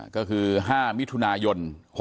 ก็คือ๕มิถุนายน๖๖